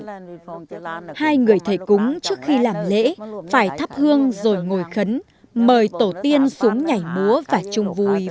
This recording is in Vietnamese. hai người thầy cúng trước khi làm lễ phải thắp hương rồi ngồi khấn mời tổ tiên xuống nhảy múa và chung vui với con cháu